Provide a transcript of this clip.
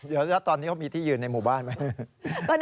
เดี๋ยวตอนนี้เขามีที่ยืนในหมู่บ้านไหม